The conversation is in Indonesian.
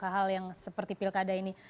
hal yang seperti pilkada ini